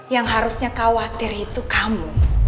yang harusnya khawatir itu kamu